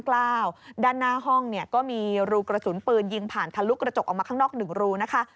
ด้านหน้าห้องเนี่ยก็มีรูกระสุนปืนยิงผ่านทะลุกระจกออกมาข้างนอก๑รูนะคะ